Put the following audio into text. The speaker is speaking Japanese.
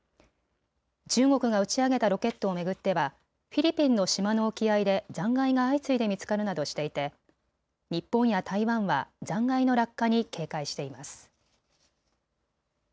中国が打ち上げたロケットを巡ってはフィリピンの島の沖合で残骸が相次いで見つかるなどしていて日本や台湾は残骸の落下に警戒しています。